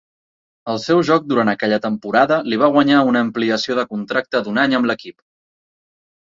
El seu joc durant aquella temporada li va guanyar una ampliació de contracte d'un any amb l'equip.